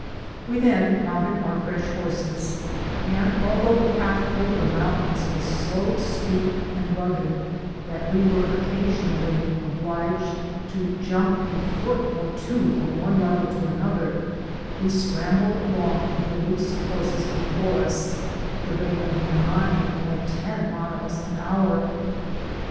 We then mounted our fresh horses, and although the path over the mountmns was so steep and rugged, that we were occasionally obliged to jump a foot or two from one level to another, we scrambled along with the loose horses before us, at the rate of nine or ten miles an hour.